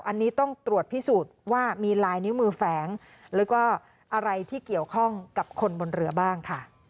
อันนี้ต้องตรวจพิสูจน์ว่ามีลายนิ้วมือแฝงแล้วก็อะไรที่เกี่ยวข้องกับคนบนเรือบ้างค่ะ